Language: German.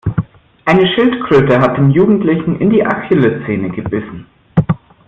Eine Schildkröte hat dem Jugendlichen in die Achillessehne gebissen.